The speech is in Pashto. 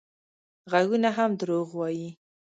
غږونه هم دروغ وايي